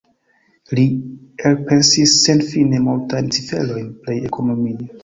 Li elpensis senfine multajn ciferojn plej ekonomie.